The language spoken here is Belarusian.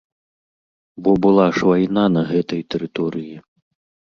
Бо была ж вайна на гэтай тэрыторыі.